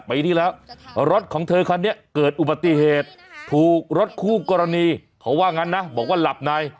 ปีที่แล้วรถของเธอคันนี้เกิดอุบัติเหตุถูกรถคู่กรณีเขาว่างั้นนะบอกว่าหลับใน